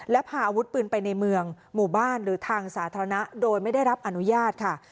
และพาอาวุธปืนไปในเมืองหมู่บ้านหรือทางสาธารณะโดยไม่ได้รับอนุญาตค่ะ